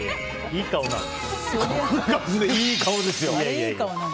あれ、いい顔ですよ！